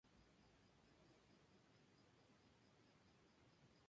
La banda de música estaba integrada por quince mujeres.